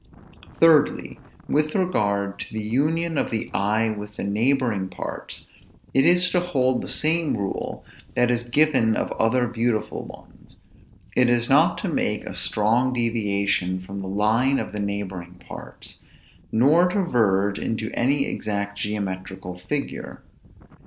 Thirdly, with regard to the union of the eye with the neighboring parts, it is to hold the same rule that is given of other beautiful ones; it is not to make a strong deviation from the line of the neighboring parts; nor to verge into any exact geometrical figure.